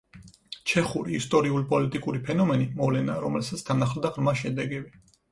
ჩეხური ისტორიულ-პოლიტიკური ფენომენი, მოვლენა, რომელსაც თან ახლდა ღრმა შედეგები.